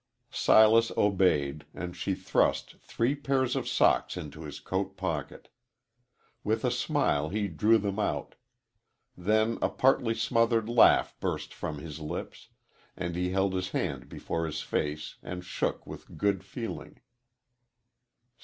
Silas obeyed, and she thrust three pairs of socks into his coat pocket. With a smile he drew them out. Then a partly smothered laugh burst from his lips, and he held his hand before his face and shook with good feeling.